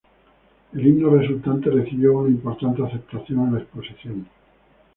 El himno resultante recibió una importante aceptación en la Exposición.